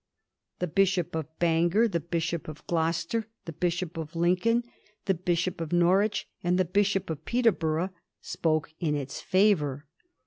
The Bishop of Bangor, the Bishop of Gloucester, the Bkhop of Lincoln, the Bishop of Norwich, and the Bishop of Peterborough spoke in its favour.